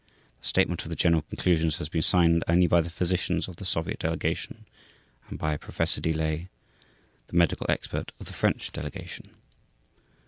The statement of the general conclusions has been signed only by the physicians of the Soviet Delegation and by Professor Delay, the medical expert of the French Delegation.